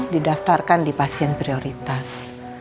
didaftarkan di pasien prioritas